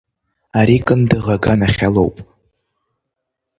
Ари Кындыӷ аганахьалоуп…